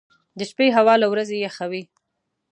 • د شپې هوا له ورځې یخه وي.